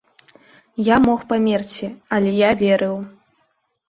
Я мог памерці, але я верыў.